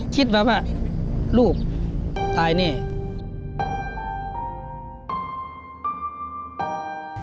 คิดแบบว่าลูกตายเนี่ย